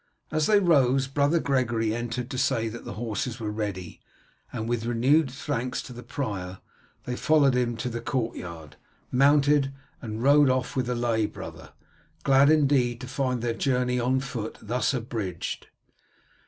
As they rose brother Gregory entered to say that the horses were ready, and with renewed thanks to the prior they followed him to the courtyard, mounted, and rode off with the lay brother, glad indeed to find their journey on foot thus abridged.